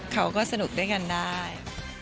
เขาก็สนุกด้วยกันได้